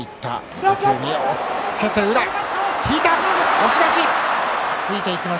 押し出し。